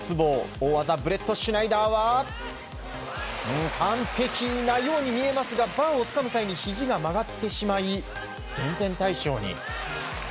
大技ブレットシュナイダーは完璧なように見えますがバーをつかむ際にひじが曲がってしまい減点対象に。